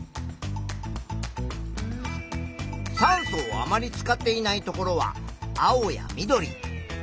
酸素をあまり使っていないところは青や緑。